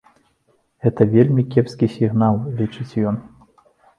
Гэта вельмі кепскі сігнал, лічыць ён.